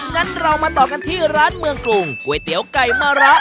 งั้นเรามาต่อกันที่ร้านเมืองกรุงก๋วยเตี๋ยวไก่มะระ